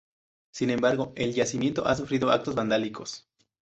Sin embargo, el yacimiento ha sufrido actos vandálicos.